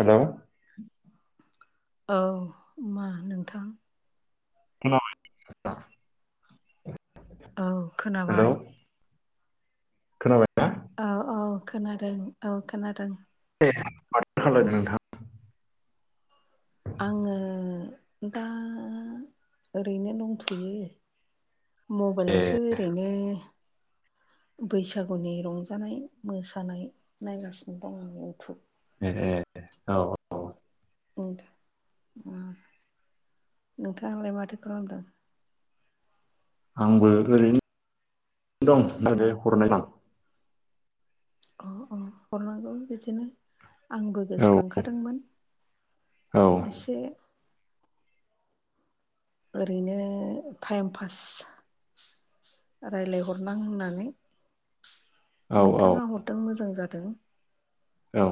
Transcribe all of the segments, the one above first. Hello औ नोंथां [unintelligible] औ हेलौ खोनाबाय खोनाबायना औ औ खोनादों औ खोनादों [unintelligible] नोंथां आङो दा ओरैनो दंथ'यो ए मबाइलावसो ओरैनो बैसागुनि रंजानाय मोसानाय नायगासिनो दं आं इउटुब ए ए औ औ [unintelligible] नोंथाङालाय माथो खालामदों आंबो ओरैनो दं हरनाय दं औ हरनांगौ बिदिनो आंबो आं औ गोसोखांखादोंमोन औ एसे ओरैनो टाइम पास रायज्लायहरनां होननानै औ नोंथाङा हरदों मोजां जादों। औ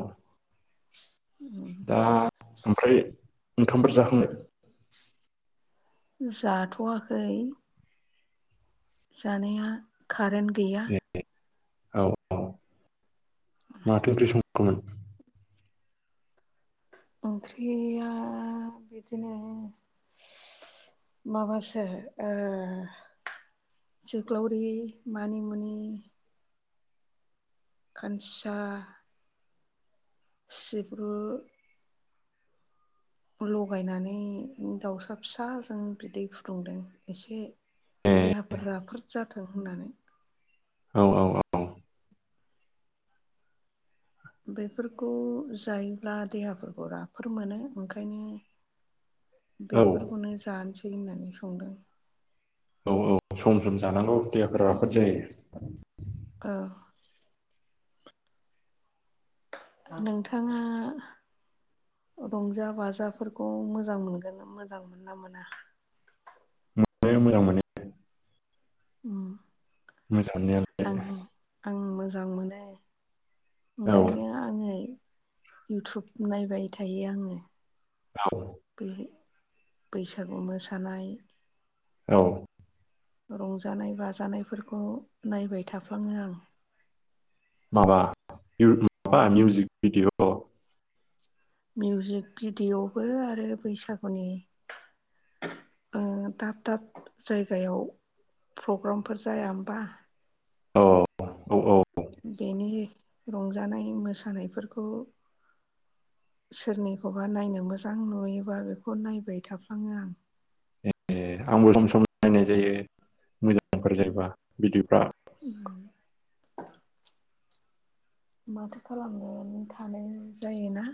[inaudible] ओ ओमफ्राय ओंखामफोर जाखांबाय जाथ'वाखै जानाया खारेन गैया औ औ माथो ओंख्रि संखोमोन ओंख्रिया बिदिनो माबासो ओ जोग्लावरि मानिमुनि खानसा सिब्रु लगायनानै दावसा फिसाजों बिदै फुदुंदों एसे ए देहाफोरा राफोद जाथों होन्ना नै औ बेफोरखौ जायोब्ला देहाफोरखौ राफोद मोनो ओंखायनो औ बेफोरखौनो जानोसै होननानै संदों औ औ सम सम जानांगौ देहाफोरा राफोद जायो औ नोंथाङा रंजा बाजाफोरखौ मोजां मोनगोन मोजां मोनोना मोना मोनो मोजां मोनो उ मोसानायालाय आं मोजां मोनो औ ओंखायनो आङो इउटुब नायबाय थायो आङो व बे बैसागु मोसानाय औ रंजानाय बाजानायफोरखौ नायबाय थाफ्लाङो आं माबा माबा मिउजिक मिउजिक भिडिय'आवबो आरो बैसागुनि दाब दाब जायगायाव प्रग्रामफोर जाया होमबा औ औ औ बेनि रंजानाय मोसानायफोरखौ सोरनिखौबा नायनो मोजां नुयोबा बेखौ नायबाय थाफ्लाङो आं ए आंबो सम सम नायनाय जायो मोजांफोर जायोबा भिडिअफ्रा उ माथो खालामनानै थानो जायोना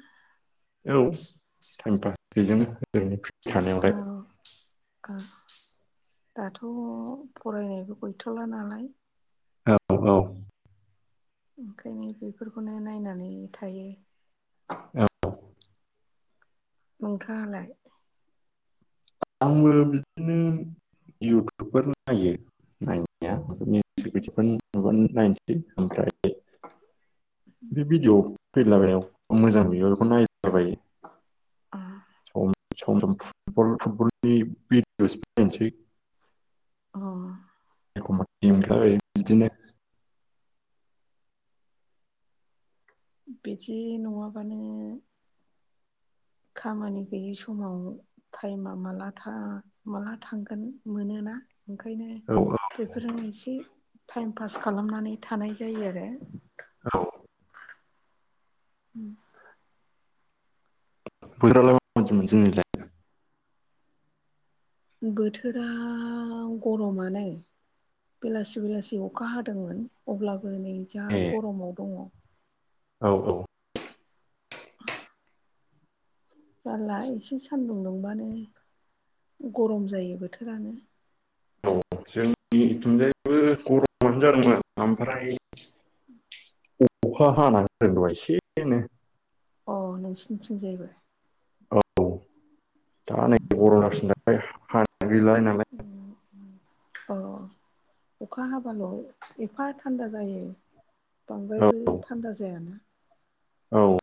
औ टाइम पास बेजोंनो [unintelligible] औ दाथ' फरायनायबो गैथ'ला नालाय औ औ ओंखायनो बेफोरखौनो नायनानै थायो औ नोंथाङालाय आंबो बिदिनो इउटुबफोर नायो नायनाया नुबानो नायनोसै ओमफ्राय बे भिडिय' फैलाबायनायाव मोजां नुयोब्ला बेखौ नायलाबायो अ सम सम सम फुटब फुटबलनि भिडिअसबो नायनोसै अ एखमबा गेमयो बिदिनो बिदि नङाबानो खामानि गैयि समाव टाइमा माला माला थांगोन मोनोना ओंखायनो औ औ बेफोरजों एसे टाइम पास खालामनानै थानाय जायो आरो औ उम बोथोरावल' [unintelligible] बोथोरा गरमानो बेलासि बेलासि अखा हादोंमोन अब्लाबो नै जा ए गरमाव दङ औ औ जारला एसे सानदुं दुंबानो गरम जायो बोथोरानो औ जोंनि थुनजायाबो गरमनो जादोंमोन ओमफ्राय अखा हाना [unintelligible] एसेनो अ नोंसिनिथिंजायबो औ दा नै [unintelligible] नालाय अ अखा हाबाल' एफा थान्दा जायो बांद्रायबो औ थान्दा जायाना औ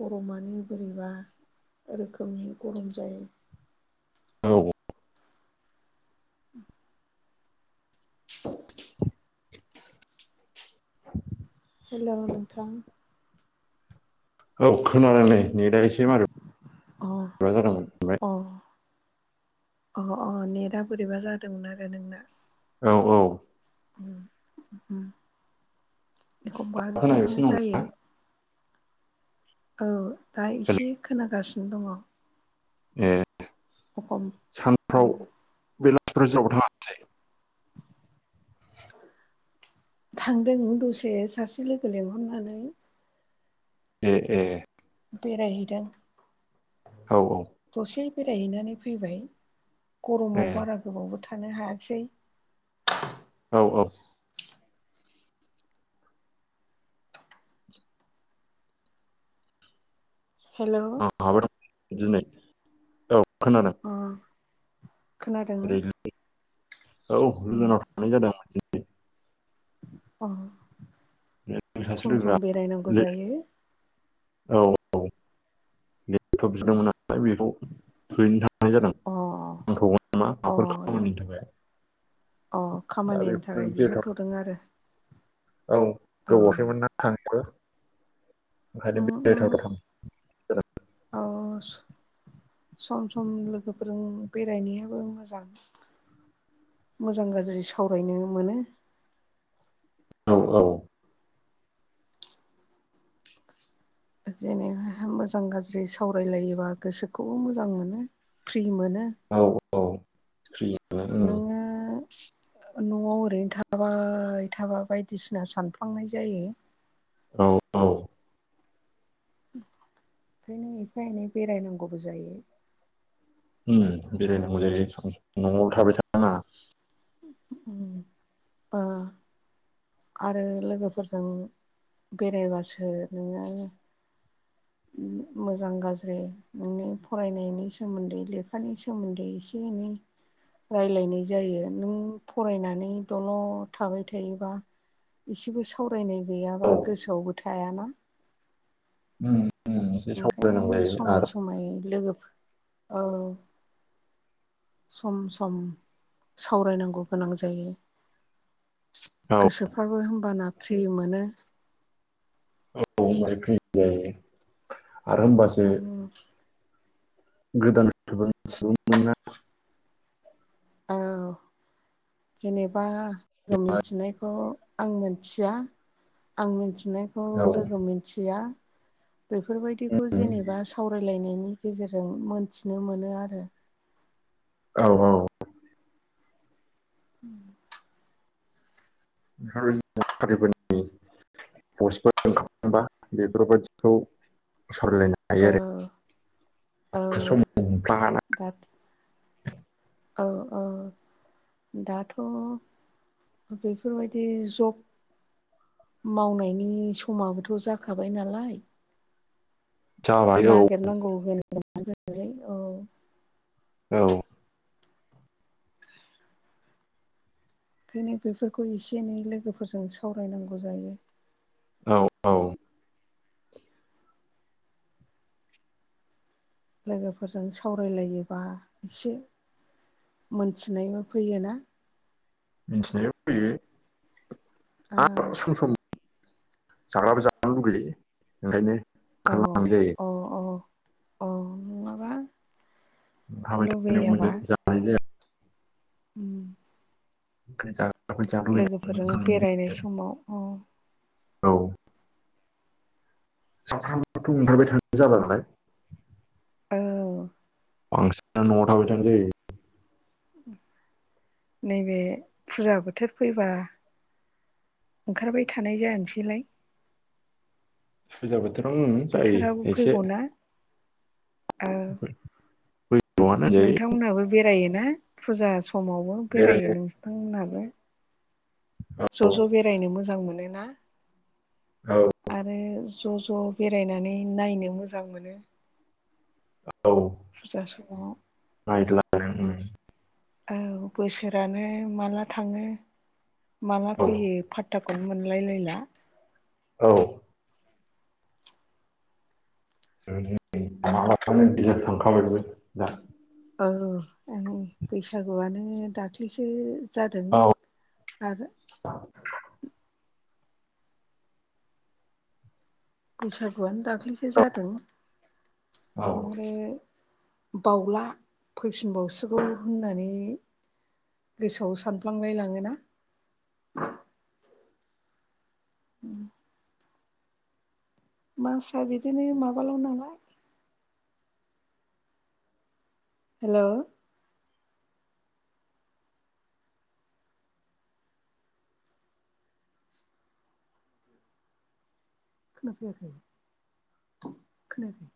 गरमानो बोरैबा रोखोमनि गरम जायो औ [unintelligible] हेलौ नोंथां औ खोनादों नै नेदा एसे मार अ अ अ अ नेटआ बोरैबा जादों आरो नोंना औ औ उम एखमबा बिदिनो खोनागासिनो दं जायो ना औ दा हेल' एसे खोनागासिनो दङ ए एखम सानफ्राव बेलासिफोर [unintelligible] [inaudible] थांदों दसे सासे लोगो लिंहरनानै ए ए बेरायहैदों औ औ दसे बेरायहैनानै फैबाय ए गरमाव बारा गोबावबो थानो हायासै औ औ हेलौ [unintelligible] दिनै औ खोनादों अ खोनादोंना ओरैनो औ गोजानाव थांनाय जादों अ सासे सम लोगोआ सम बेरायनांगौ जायो औ औ [unintelligible] बिदोंमोन आं फ्राय बेखौ थैनो थांनाय जादों अ नांथावगोन नामा अ माफोर खामानिनि थाखाय अ दा खामानिनि बेखौनो थाखाय बेरायथाव बिहरथ'दों आरो औ अ उम उम [unintelligible] थांसै औ सम सम लोगोफोरजों बेरायनायाबो मोजां मोजां गाज्रि सावरायनो मोनो औ औ जेनेबा मोजां गाज्रि सावरायलायोबा गोसोखौबो मोजां मोनो फ्रि मोनो औ औ उम नोङो न'आव ओरैनो थाबाय थाबा बायदिसिना सानफ्लांनाय जायो औ औ ओंखायनो एफा एनै बेरायनांगौबो जायो बेरायनांगौ जायो न'आव थाबाय थानाङा उम ओ आरो लोगोफोरजों बेरायबासो नोङो [inaudible] मोजां गाज्रि नोंनि फरायनायनि सोमोन्दै लेखानि सोमोन्दै एसे एनै राय्लायनाय जायो नों फरायनानै दल' थाबाय थायोबा इसेबो सावरायनाय औ गैयाबा गोसोआवबो थायाना उम उम एसे सावरायनांगौ ओंखायनो जायो समाय आरो समय लोगोफोर औ सम सम सावरायनांगौ गोनां जायो औ गोसोफ्राबो होमबाना फ्रि मोनो औ होनबाय फै जायो आरो होनबासो उम गोदान सुबुं सुबुं मोना औ जेनेबा लोगो मिन्थिनायखौ आं मिथिया आं मिथिनायखौ औ लोगो मोनथिया बेफोरबायदिखौ उम जेनेबा सावरायलायनायनि गेजेरजों मोनथिनो मोनो आरो औ औ [inaudible] [unintelligible] पस्टफोर ओंखारबा बेफोरबायदिखौ सावरायलायनाय हायो आरो समाव मोनमफ्लाङाना द औ औ दाथ' बेफोरबायदि जब मावनायनि समाबोथ' जाखाबाय नालाय जाबाय औ नागिरनांगौ होनलाय औ औ ओंखायनो बेफोरखौ एसे एनै लोगोफोरजों सावरायनांगौ जायो औ औ लोगोफोरजों सावरायलायोबा एसे मोनथिनायबो फैयोना मिथिनाय फैयो आरो औ सम सम [unintelligible] औ औ औ नङाबा हाबाय थानो मोन लुबैयाबा जानाय जाया उम लोगोफोरजों बेरायनाय [unintelligible] समाव औ औ साथाथामाथ' ओंखारबाय थानो जाला नालाय औ बांसिनानो न आव थाबाय थानाय जायो नैबे फुजा बोथोर फैबा ओंखारबाय थानाय जानोसैलाय फुजा बोथोरावनो उम जायो बोथोराबो एसे फैगौना औ बैसोआनो होनजायो नोंथांमोनहाबो बेरायोना फुजा समाव नबो बेरायो नोंथांमोनहाबो ज' ज' बेरायनो मोजां मोनो ना औ आरो ज' ज' बेरायनानै नायनो मोजां मोनो औ फुजा समाव [inaudible] औ बोसोरानो माला थाङो माला औ फैयो पात्ताखौनो मोनलायलायला औ [unintelligible] थांखाबायमोन दा औ बैसागुआनो दाख्लिसो जादों औ आरो बैसागुआनो दाख्लैसो औ जादों औ ओमफ्राय बावला फैफिनबावसिगौ होननानै गोसोआव सानफ्लांलाय लाङोना उम मासआ बिदिनो माबाल' नालाय हेलौ खोनाफैयाखै खोनायाखै